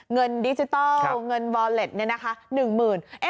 เงินดิจิทัลเงินวอเล็ตนี่นะคะ๑๐๐๐๐